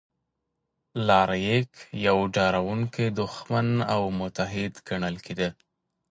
الاریک یو ډاروونکی دښمن او متحد ګڼل کېده